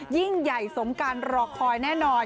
ยิ่งใหญ่สมการรอคอยแน่นอน